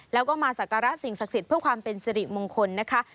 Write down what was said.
แล้วก็มาสักการะสิ่งศักดิ์สิทธิ์เพื่อความเป็นสิริมงคลนะคะ